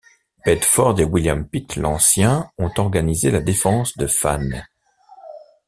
Bedford et William Pitt l'Ancien ont organisé la défense de Fane.